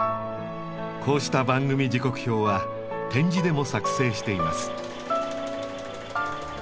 こうした番組時刻表は点字でも作成しています。